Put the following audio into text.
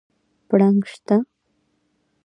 پړانګ شته؟